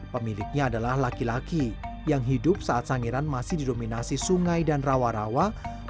pemiliknya adalah laki laki yang hidup saat sangiran masih didominasi sungai dan rawa rawa